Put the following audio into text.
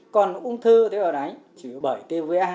còn ung thư tế bào đáy chỉ bởi tê uva